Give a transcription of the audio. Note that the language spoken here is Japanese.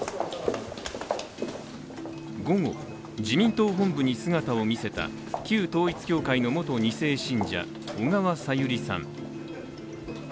午後、自民党本部に姿を見せた旧統一教会の元２世信者・小川さゆりさん。